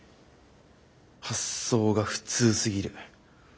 発想が普通すぎる。